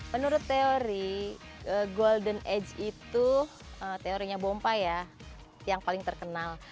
menurut teori golden age itu teorinya bompa ya yang paling terkenal